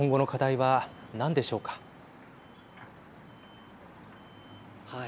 はい。